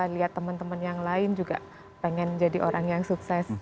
lihat teman teman yang lain juga pengen jadi orang yang sukses